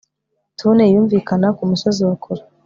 Tune yumvikana kumusozi wa kure